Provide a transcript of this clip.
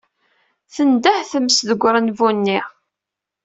Tendeḥ tmes deg urenbu-nni.